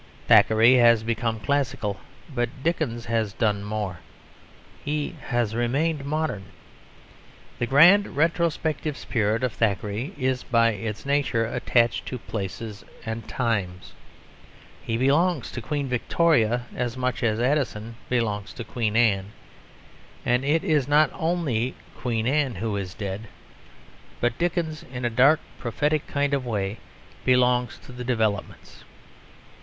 Thackeray has become classical; but Dickens has done more: he has remained modern. The grand retrospective spirit of Thackeray is by its nature attached to places and times; he belongs to Queen Victoria as much as Addison belongs to Queen Anne, and it is not only Queen Anne who is dead. But Dickens, in a dark prophetic kind of way, belongs to the developments.